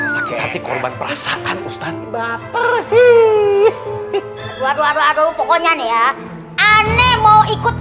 sakit hati korban perasaan ustadz baper sih waduh waduh aduh pokoknya nih ya aneh mau ikut